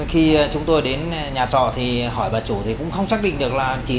khi chúng tôi đến nhà trò thì hỏi bà chủ thì cũng không xác định được là